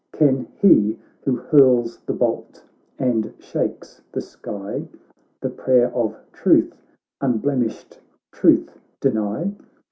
Can he who hurls the bolt and shakes the sky The prayer of truth, unblemished truth, deny?